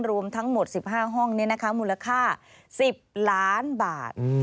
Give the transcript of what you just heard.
รวมทั้งหมด๑๕ห้องมูลค่า๑๐ล้านบาท